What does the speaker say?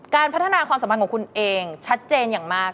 การพัฒนาความสัมพันธ์ของคุณเองชัดเจนอย่างมาก